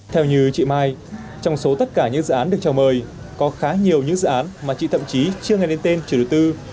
theo như chị mai trong số tất cả những dự án được chào mời có khá nhiều những dự án mà chị thậm chí chưa nghe lên tên chủ đầu tư